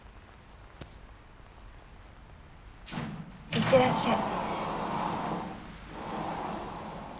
行ってらっしゃい。